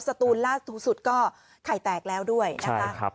สตูนล่าสุดสุดก็ไข่แตกแล้วด้วยนะคะ